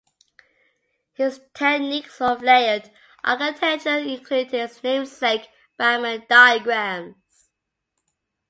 His techniques of layered architecture include his namesake Bachman diagrams.